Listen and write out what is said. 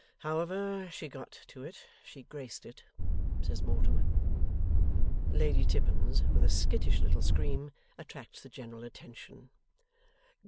'However she got to it, she graced it,' says Mortimer. Lady Tippins with a skittish little scream, attracts the general attention.